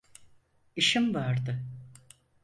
İşim vardı.